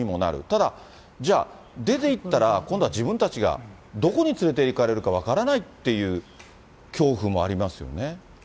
ただ、じゃあ、出ていったら、今度は自分たちがどこに連れていかれるか分からないっていう恐怖もありますよね。